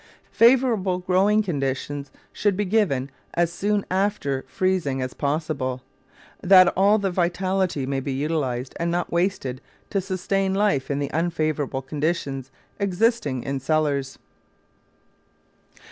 Favourable growing conditions should be given as soon after freezing as possible, that all the vitality may be utilised and not wasted to sustain life in the unfavourable conditions existing in cellars.